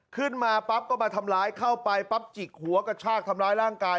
ขึ้นมาปั๊บก็มาทำร้ายเข้าไปปั๊บจิกหัวกระชากทำร้ายร่างกาย